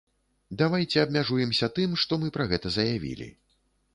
Давайце абмяжуемся тым, што мы пра гэта заявілі.